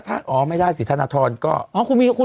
คุณใช้กระเสม